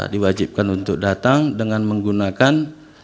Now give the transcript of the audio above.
diwajibkan untuk datang dengan menggunakan